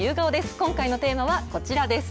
今回のテーマはこちらです。